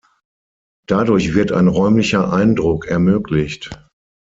Dadurch wird ein räumlicher Eindruck ermöglicht.